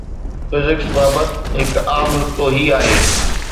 physics بابت هڪ عام نقطو هي آهي